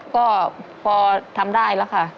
ก็พอทำได้แล้วค่ะ